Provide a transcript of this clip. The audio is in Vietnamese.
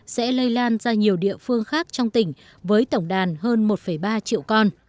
sẽ lây lan ra nhiều địa phương khác trong tỉnh với tổng đàn hơn một ba triệu con